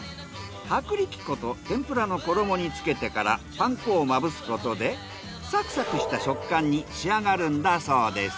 薄力粉と天ぷらの衣につけてからパン粉をまぶすことでサクサクした食感に仕上がるんだそうです。